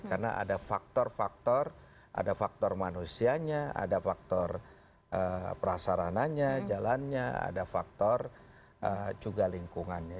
karena ada faktor faktor ada faktor manusianya ada faktor perasarananya jalannya ada faktor juga lingkungannya